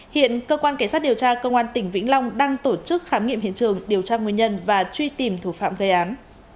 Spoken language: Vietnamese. hiện cơ quan cảnh sát điều tra công an tỉnh vĩnh long đang tổ chức khám nghiệm hiện trường điều tra nguyên nhân và truy tìm thủ phạm gây án